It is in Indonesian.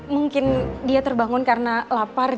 mungkin dia terbangun karena lapar